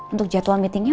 untuk jadwal meetingnya